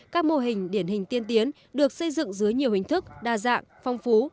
các mô hình điển hình tiên tiến được xây dựng dưới nhiều hình thức đa dạng phong phú